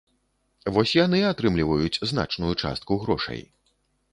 Вось яны атрымліваюць значную частку грошай.